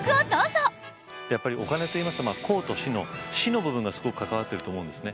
やっぱりお金といいますと公と私の私の部分がすごく関わってると思うんですね。